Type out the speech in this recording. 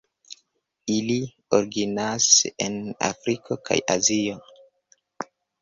Ili originas en Afriko kaj Azio.